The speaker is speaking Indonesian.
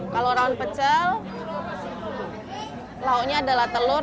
kalau rawon pecel lauknya adalah telur